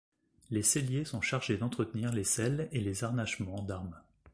Les selliers sont chargés d'entretenir les selles et les harnachements d'armes.